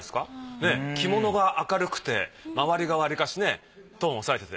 ねぇ着物が明るくて周りがわりかしねトーン抑えてて。